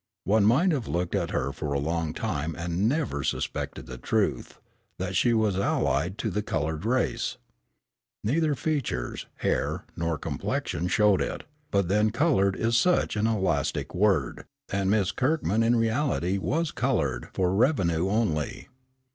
One might have looked at her for a long time and never suspected the truth, that she was allied to the colored race. Neither features, hair nor complexion showed it, but then "colored" is such an elastic word, and Miss Kirkman in reality was colored "for revenue only."